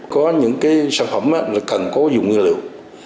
có những cái sản phẩm cần có dùng nguyên liệu